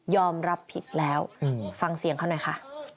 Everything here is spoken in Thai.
รับผิดแล้วฟังเสียงเขาหน่อยค่ะ